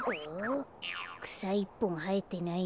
くさいっぽんはえてないね。